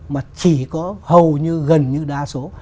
mà chỉ có hầu như gần như đa số